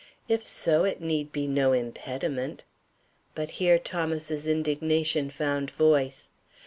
If so, it need be no impediment " But here Thomas's indignation found voice.